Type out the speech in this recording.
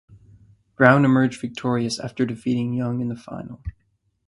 Brown emerged victorious after defeating Young in the final.